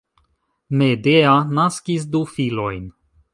Medea naskis du filojn.